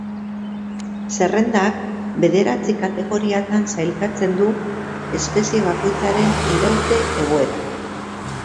Zerrendak bederatzi kategoriatan sailkatzen du espezie bakoitzaren iraute egoera.